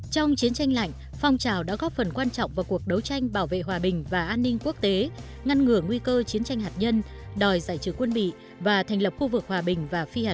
trong chiến tranh lạnh phong trào đã góp phần quan trọng vào cuộc đấu tranh bảo vệ hòa bình và an ninh quốc tế ngăn ngừa nguy cơ chiến tranh hạt nhân đòi giải trừ quân bị và thành lập khu vực hòa bình và phi hạt nhân